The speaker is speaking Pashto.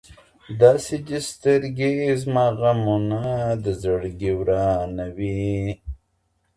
داسي دي سترګي زما غمونه د زړګي ورانوي